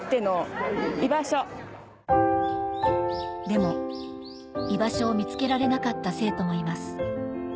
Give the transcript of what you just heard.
でも居場所を見つけられなかった生徒もいます